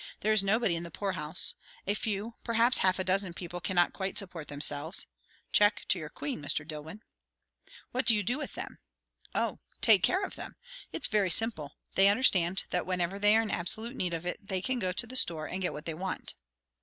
There is nobody in the poorhouse. A few perhaps half a dozen people, cannot quite support themselves. Check to your queen, Mr. Dillwyn." "What do you do with them?" "O, take care of them. It's very simple. They understand that whenever they are in absolute need of it, they can go to the store and get what they want."